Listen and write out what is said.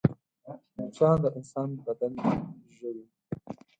مچان د انسان بدن ژوي